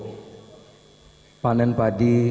pak jokowi panen padi